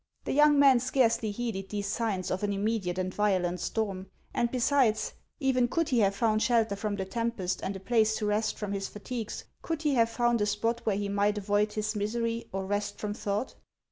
The young mini scarcely heeded these signs of an immediate and violent storm ; and besides, even could he have found shelter from the tempest and a place to rest from his fatigues, could he have found a spot where he might avoid his misery or rest from thought?